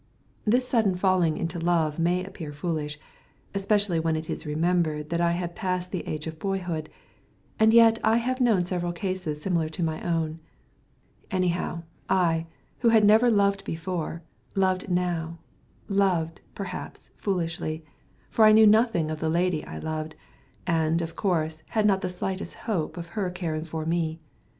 This sudden falling into love may appear foolish, especially when it is remembered that I had passed the age of boyhood, and yet I have known several cases similar to my own. Anyhow, I, who had never loved before, loved now loved, perhaps, foolishly; for I knew nothing of the lady I loved, and, of course, had not the slightest hope of her caring for me.